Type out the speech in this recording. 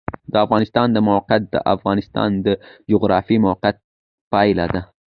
د افغانستان د موقعیت د افغانستان د جغرافیایي موقیعت پایله ده.